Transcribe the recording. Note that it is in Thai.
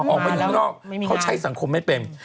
ออกมาอยู่ข้างนอกเขาใช้สังคมไม่เป็น